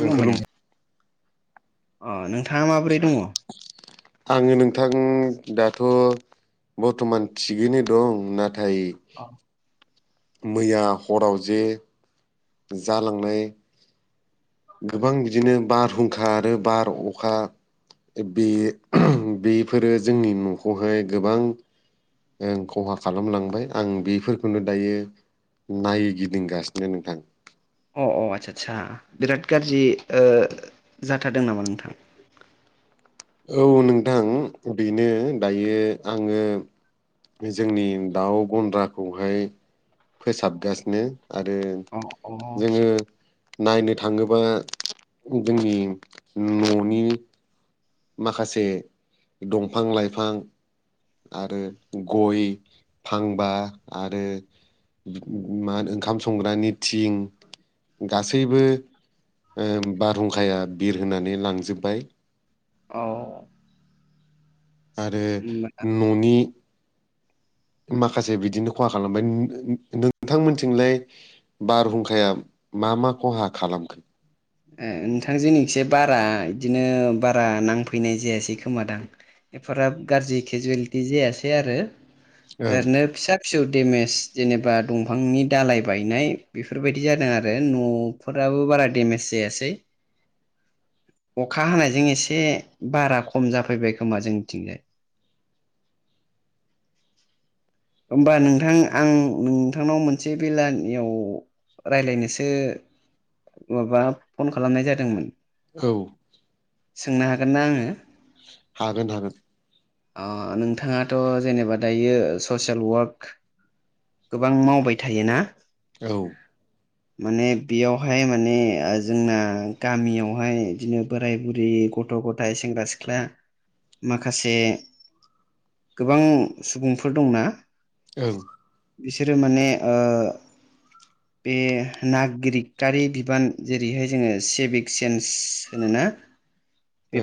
जों खुलुमबाय खुलुम नों अ नोंथाङा माबोरै दङ आङो नोंथां दाथ' बरथ'मान थिगैनो दं नाथाय अ मैया हराव जे जालांनाय गोबां बिदिनो बारहुंखा आरो बार अखा बे बेफोरो जोंनि न'खौहाय गोबां ओ खहा खालामलांबाय आं बेफोरखौनो दायो नायगिदिंगासिनो नोंथां अ अ आदसा आदसा बिराद गाज्रि ओ जाथारदों नामा नोंथां औ नोंथां बेनो दायो आङो जोंनि दाउ गन्द्राखौहाय फोसाबगासिनो आरो अ अ जोङो नायनो थाङोबा जोंनि न'नि माखासे दंफां लाइफां आरो गय फांबा आरो मा ओंखाम संग्रानि थिं गासैबो बारहुंखाया बिर होनानै लांजोब्बाय औ आरो होमबा न'नि माखासे बिदिनो खहा खालामबाय नोंथांमोनथिंलाय बारहुंखाया मा मा खहा खालामखो ए नोंथां जोंनिसे बारा बिदिनो बारा नांफैनाय जायासै खोमादां बेफोराब गाज्रि केजुवेलिटि जायासै आरो ओं ओरैनो फिसा पिसर डेमेज जेनेबा दंफांनि दालाय बायनाय बेफोरबायदि जादों आरो न' फोराबो बारा डेमेज जायासै अखा हानायजों एसे बारा खम जाफैबाय खोमा जोंनिथिंजाय होमबा नोंथां आं नोंथांनाव मोनसे बेलानियाव रायलायनोसो माबा फन खालामनाय जादोंमोन। औ। सोंनो हागोन ना आङो? हागोन हागोन। नोंथाङाथ' जेनेबा दायो ससियेल वार्क गोबां मावबाय थायोना औ लांदां माने बेयावहाय माने जोंना गामियावहाय बिदिनो बोराय बुरै गथ' गथ' गथाय सेंग्रा सिख्ला माखासे गोबां सुबुंफोर दंना औ। बिसोरो माने ओ बे नागरिकआरि बिबान जेरैहाय जोङो सेभिक सेन्स होनोना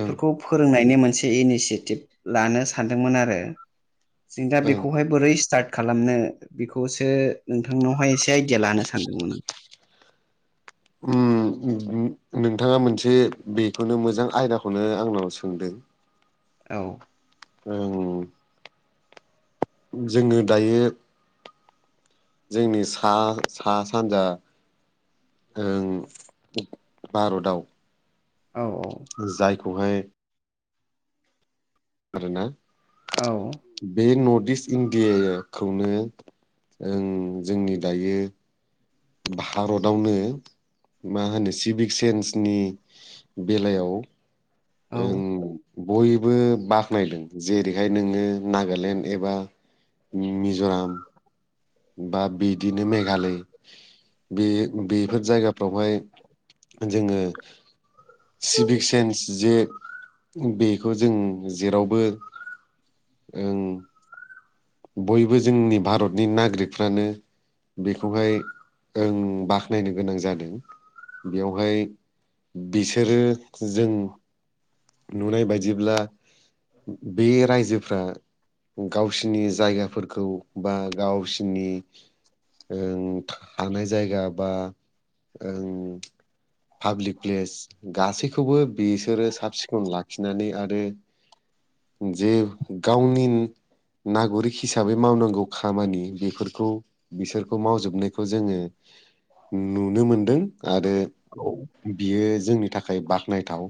ओं फोरोंनायनि मोनसे इनिसियेटिभ लानो सानदोंमोन आरो। जों दा ओं बेखौहाय बोरै स्टार्ट खालामनो बेखौसो नोंथांनावहाय एसे आइडिया लानो सानदोंमोन आं। उम नोंथाङा मोनसे बेखौनो मोजां आयदाखौनो आंनाव सोंदों। औ। औ। जोङो दायो जोंनि सा सा सानजा ओ भारतआव औ औ। जायखौहाय आरोना। औ। बे नर्थ इस्ट इण्डियाखौनो जोंनि दायो भारतावनो मा होनो सिभिक सेन्सनि बेलायाव औ ओं बयबो बाख्नायदों जेरैहाय नोङो नागालेण्ड एबा मिज'राम बा बिदिनो मेघालय बे बेफोर जायगाफ्रावहाय जोङो सिभिक सेन्स जे बेखौ जों जेरावबो ओ बयबो जोंनि भारतनि नागरिकफ्रानो बेखौहाय ओं बाख्नायनो गोनां जादों बेयावहाय बिसोरो जों नुनाय बायदिब्ला बे रायजोफ्रा गावसिनि जायगाफोरखौ बा गावसिनि ओं हानाय जायगा बा ओं पाब्लिक प्लेस गासैखौबो बिसोरो साब सिखोन लाखिनानै आरो जे गावनि नागरिक हिसाबै मावनांगौ खामानि बेफोरखौ बिसोरखौ मावजोबनायखौ जोङो नुनो मोनदों आरो औ बियो जोंनि थाखाय बाख्नायथाव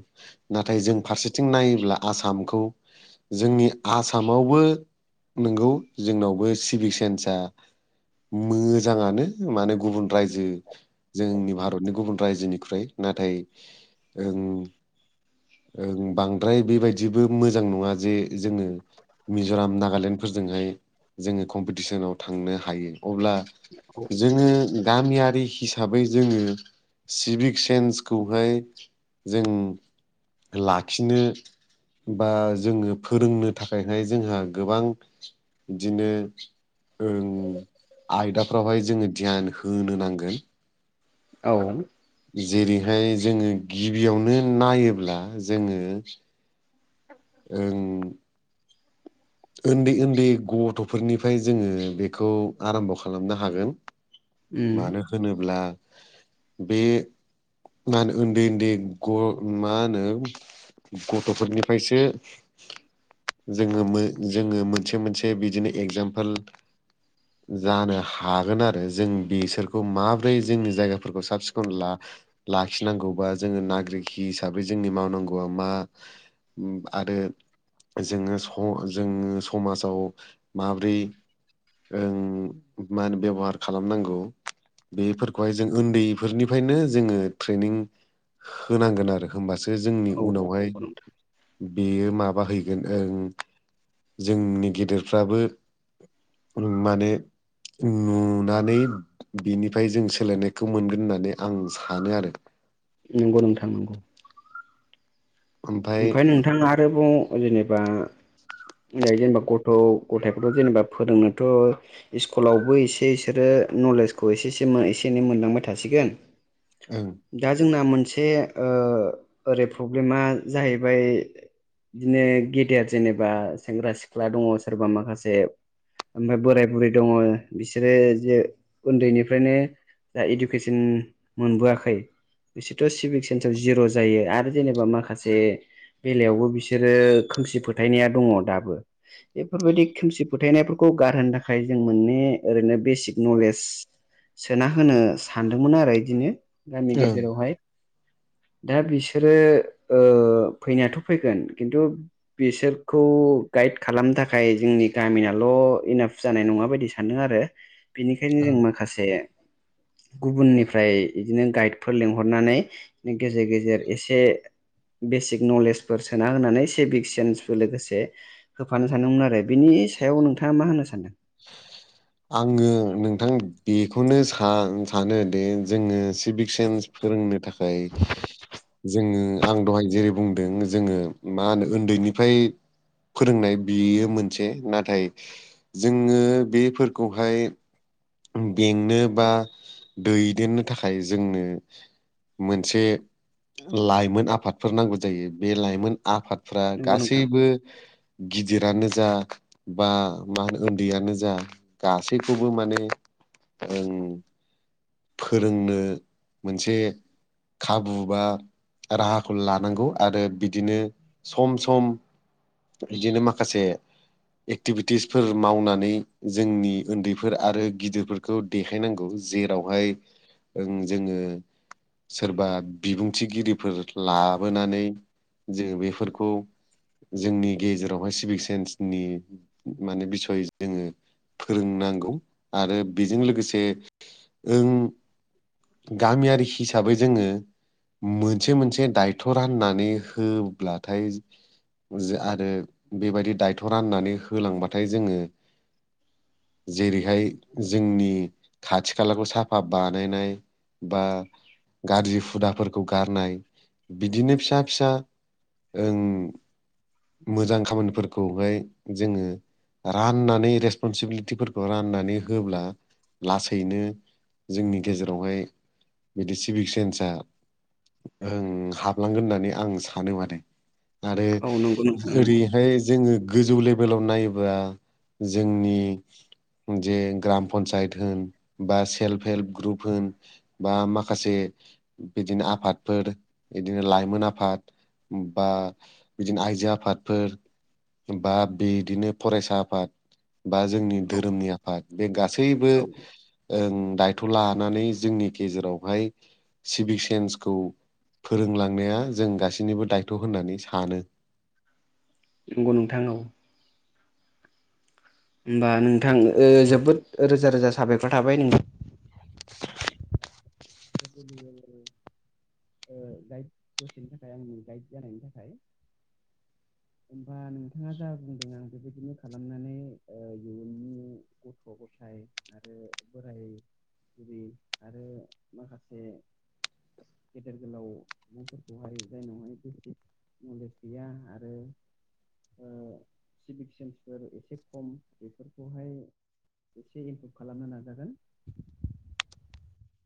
नाथाय जों फारसेथिं नायोब्ला आसामखौ जोंनि आसामावबो नंगौ जोंनावबो सिभिक सेन्सआ मोजाङानो माने गुबुन रायजो जोंनि भारतनि गुबुन रायजोनिखफ्राय्रु नाथाय ओं ओं बांद्राय बेबायदिबो मोजां नङा जे जोङो मिज'राम नागालेण्डफोरजोंहाय जोङो कम्पिटिसनाव थांनो हायो अब्ला औ जोङो गामियारि हिसाबै जोङो सिभिक सेन्सखौहाय जों लाखिनो बा जोङो फोरोंनो थाखायहाय जोंहा गोबां बिदिनो आयदाफ्रावहाय जोङो धियान होनो नांगोन औ जेरैहाय जोङो गिबियावनो नायोब्ला जोङो ओ। उन्दै उन्दै गथ'फोरनिफ्राय जोङो बेखौ आराम्भ' खालामनो हागोन। उम मानो होनोब्ला बे मा होनो उन्दै उन्दै ग मा होनो गथ'फोरनिफ्रायसो जोङो मो जोङो मोनसे मोनसे बिदिनो एगजामपोल [unintelligible] जानो हागोन आरो जों बेसोरखौ माबोरै जोंनि जायगाफोरखौ साब सिखन ला लाखिनांगौबा जोङो नागरिक हिसाबै जोंनि मावनांगौआ मा आरो जोङो जोङो समाजाव माब्रै ओं मा होनो बेब'हार खालामनांगौ बेफोरखौहाय जों उन्दैफोरनिफ्रायनो जोङो ट्रेनिं होनांगोन आरो होनोमबासो जोंनि औ उनावहाय बेयो माब हैगोन ओं जोंनि गेदेरफ्राबो माने नुनानै बिनिफ्राय जों सोलायनायखौ मोनगोन होननानै आं सानो आरो नंगौ नों थांनांगौ ओमफाय ओमफफ्राय नोंथाङा आरोबाव जेनेबा जेनेबा गथ' गथायफोरखौथ' जेनेबा फोरोंनोथ' स्कुलावबो एसे बिसोरो नलेजखौ एसे एसे एसे एनै मोनलांबाय थासिगोन ओं दा जोंना मोनसे ओ ओरै प्रब्लेमा जाहैबाय बिदिनो गेदेर जेनेबा सेंग्रा सिख्ला दङ सोरबा माखासे ओमफ्राय बोराय बुरै दङ बिसोरो जे उन्दैनिफ्रायनो जा इडुकेसन मोनबोआखै बिसोरथ' सिभिक सेन्स जिर' जायो आरो जेनेबा माखासे से बेलायावबो बिसोरो खोमसि फोथायनाया दङ दाबो बेफोरबायदि खोमसि फोथायनायफोरखौ गारहोनो थाखाय जों मोनै ओरैनो बेसिक नलेज सोना होनो सानदोंमोन आरो बिदिनो गामि ओं गेजेरावहाय दा बिसोरो ओ फैनायाथ' फैगोन खिन्थु बिसोरखौ गाइड खालामनो थाखाय जोंनि गामिनाल' इनाफ जानाय नङा बायदि सानदों आरो बेनिखायनो ओं जों माखासे गुबुननिफ्राय बिदिनो गाइडफोर लिंहरनानै गेजेर गेजेर एसे बेसिक नलेजफोर सोना होनानै सिभिक सेन्सफोर लोगोसे होफानो सानदोंमोन आरो बिनि सायाव नोंथाङा मा होनो सानदों आङो नोंथां बेखौनो सानो दि जोङो सिभिक सेन्स फोरोंनो थाखाय जोङो आं दहाय जेरै बुंदों जोङो मा होनो उन्दैनिफ्राय फोरोंनाय बियो मोनसे नाथाय जोङो बेफोरखौहाय बेंनो बा दैदेननो थाखाय जोंनो मोनसे लाइमोन आफादफोर नांगौ जायो बे लाइमोन आफाद फ्रा नंगौ नोंथां गासैबो गिदिरानो जा बा मा होनो उन्दैयानो जा गासैखौबो माने ओं फोरोंनो मोनसे खाबु बा राहाखौ लानांगौ आरो बिदिनो सम सम बिदिनो माखासे एक्टिभिटिसफोर मावनानै जोंनि उन्दैफोर आरो गिदिरफोरखौ देखायनांगौ जेर रावहाय जोङो सोरबा बिबुंथिगिरिफोर लाबोनानै जों बेफोरखौ जोंनि गेजेरावहाय सिभिक सेन्सनि माने बिसय जोङो फोरोंनांगौ आरो बेजों लोगोसे ओं गामियारि हिसाबै जोङो मोनसे मोनसे दायथ' राननानै होब्लाथाय आरो बेबायदि दायथ' राननानै होलांबाथाय जोङो जेरैहाय जोंनि खाथि खा खालाखौ साफा बानायनाय बा गाज्रि हुदाफोरखौ गारनाय बिदिनो फिसा फिसा ओं मोजां खामानिफोरखौहाय जोङो राननानै रेसपनसिबिलिटिफोरखौ राननानै होब्ला लासैनो जोंनि गेजेरावहाय बिदि सिभिक सेन्सा ओ हाबलांगोन होननानै आं सानो मादे आरो औ नंगौ नोंथां नंगौ ओरैहाय जोङो गोजौ लेभेलाव नायोब्ला जोंनि जे ग्राम पन्सायत होन बा सेल्फ हेल्प ग्रुप होन बा माखासे बिदिनो आफादफोर बिदिनो लाइमोन आफाद बा बिदिनो आइजो आफादफोर बा बिदिनो फरायसा आफाद बा जोंनि औ धोरोमनि आफाद बे गासैबो औ ओं दायथ' लानानै जोंनि गेजेरावहाय सिभिक सेन्सखौ फोरोंलांनाया जों गासैनिबो दायथ' होननानै सानो नंगौ नोंथां औ होमबा नोंथां ओ जोबोद रोजा रोजा साबायखर थाबाय नों [inaudible] [inaudible] ओ गाइड दसेनि थाखाय आं गाइड जानायनि थाखाय होमबा नोंथाङा जा बुंदों आं बेबायदिनो खालामनानै ओ इयुननि गथ' गथाय आरो बोराय बुरि आरो माखासे गेदेर गोलाव सुबुंफोरखौहाय जायनावहाय बेसिक नलेज गैया आरो सिबिक सेन्स फोर एसे खम बेफोरखौहाय एसे इमप्रुभ खालामनो नाजागोन